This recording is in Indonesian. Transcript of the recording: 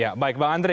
ya baik bang andre